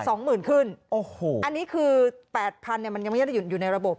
สองหมื่นขึ้นโอ้โหอันนี้คือแปดพันเนี้ยมันยังไม่ได้อยู่ในระบบ